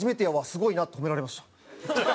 すごいな」って褒められました。